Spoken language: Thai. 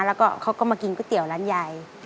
แล้วก็เขาก็มากินก๋วยเตี๋ยวร้านยาย